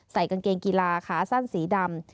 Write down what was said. กางเกงกีฬาขาสั้นสีดำ